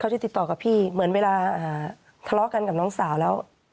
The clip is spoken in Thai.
จะติดต่อกับพี่เหมือนเวลาทะเลาะกันกับน้องสาวแล้ว